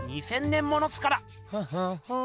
２，０００年ものっすから。